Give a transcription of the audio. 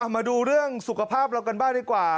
มาดูเรื่องสุขภาพเรากันบ้างดีกว่า